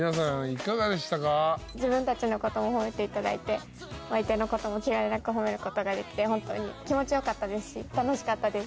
いかがでしたか自分のことも褒めていただいてお相手のことも気兼ねなく褒めることができて本当に気持ちよかったですし楽しかったです